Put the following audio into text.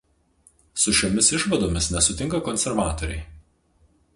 Su šiomis išvadomis nesutinka konservatoriai.